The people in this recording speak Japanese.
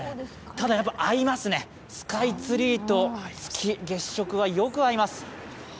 ただ、やっぱ合いますね、スカイツリーと月食はよく合います。